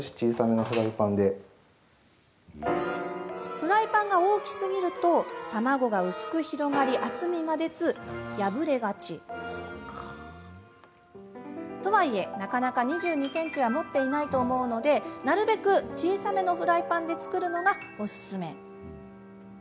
フライパンが大きすぎると卵が薄く広がり厚みが出ず破れがち。とはいえなかなか２２ｃｍは持っていないと思うのでなるべく小さめのフライパンで作るのがおすすめ。